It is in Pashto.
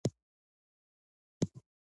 اړه او اړوند دوه بېلابېل لغتونه دي.